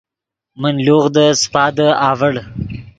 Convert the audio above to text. من لوغدے سیپادے اڤڑ